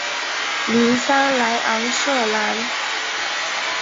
尼桑莱昂瑟兰。